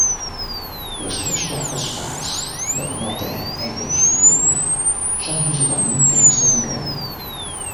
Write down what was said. Les tres quartes parts del nord d'Eyers Grove són principalment terres de conreu.